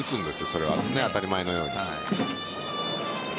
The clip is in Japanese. それは当たり前のように。